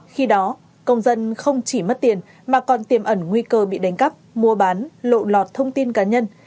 khi đó công dân không chỉ mất tiền mà còn tiềm ẩn nguy cơ bị đánh cắp mua bán lộ lọt thông tin cá nhân